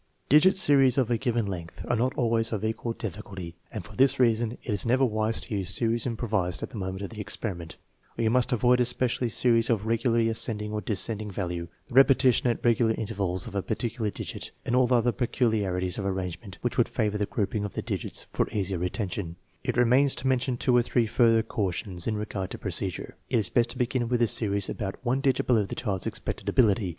Digit series of a given length are not always of equal dif ficulty, and for this reason it is never wise to use series improvised at the moment of the experiment. We must avoid especially series of regularly ascending or descending 1 " Was it wrong ?" is not an equivalent question and should not be used. 19C THE MEASUREMENT OF INTELLIGENCE value, the repetition at regular intervals of a particular digit, and all other peculiarities of arrangement which would favor the grouping of the digits for easier retention. It remains to mention two or three further cautions in regard to procedure. It is best to begin with a series about one digit below the child's expected ability.